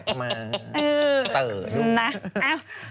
กลับมาผ่มม้าอีกแล้วอ่ะกลับมาผ่มม้าอีกแล้วอ่ะ